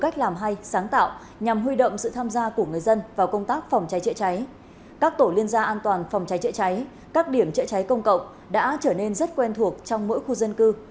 các tổ liên gia an toàn phòng cháy chữa cháy các điểm chữa cháy công cộng đã trở nên rất quen thuộc trong mỗi khu dân cư